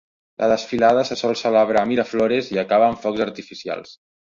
La desfilada se sol celebrar a Miraflores i acaba amb focs artificials.